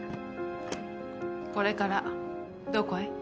これからどこへ？